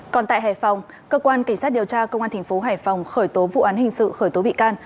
còn tại hải phòng cơ quan cảnh sát điều tra công an thành phố hải phòng khởi tố vụ án hình sự khởi tố bị can